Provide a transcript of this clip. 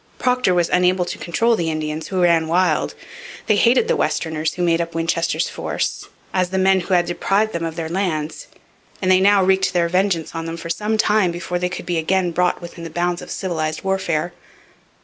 Procter was unable to control the Indians, who ran wild. They hated the Westerners who made up Winchester's force, as the men who had deprived them of their lands, and they now wreaked their vengeance on them for some time before they could be again brought within the bounds of civilized warfare.